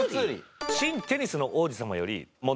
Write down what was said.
『新テニスの王子様』より問題です。